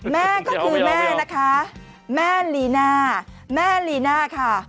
แม่ก็คือแม่นะคะแม่ลีน่าแม่ลีน่าค่ะ